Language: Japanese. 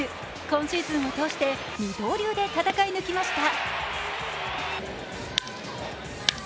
今シーズンを通して二刀流で戦い抜きました。